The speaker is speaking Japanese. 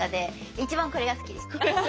一番これが好きでした。